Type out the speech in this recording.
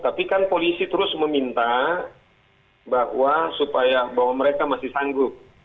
tapi kan polisi terus meminta bahwa supaya bahwa mereka masih sanggup